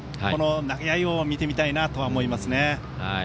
この投げ合いを見てみたいなとは思いますね。